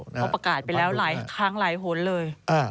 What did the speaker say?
พอประกาศไปแล้วค้างไลน์โหลดเลย